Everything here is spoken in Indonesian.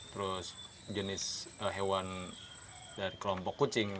terus jenis hewan dari kelompok kucing